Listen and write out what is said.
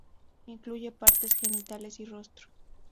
Incluyendo partes genitales y rostro